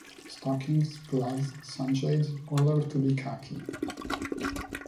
Stockings, gloves, sunshades, all are to be khaki.